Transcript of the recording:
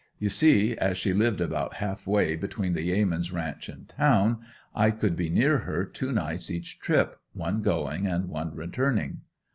You see, as she lived about half way between the Yeamans' ranch and town, I could be near her two nights each trip, one going and one returning.